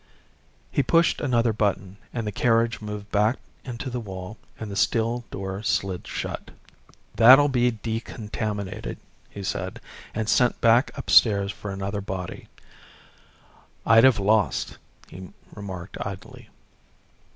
He pushed another button and the carriage moved back into the wall and the steel door slid shut. "That'll be decontaminated," he said, "and sent back upstairs for another body. I'd have lost," he remarked idly.